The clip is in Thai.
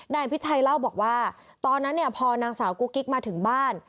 นายอภิชัยเล่าบอกว่าตอนนั้นเนี่ยพอนางสาวกุ๊กกิ๊กมาถึงบ้าน